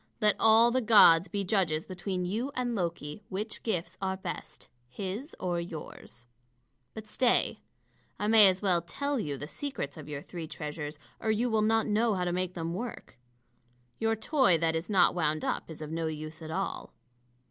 Let all the gods be judges between you and Loki, which gifts are best, his or yours. But stay I may as well tell you the secrets of your three treasures, or you will not know how to make them work. Your toy that is not wound up is of no use at all."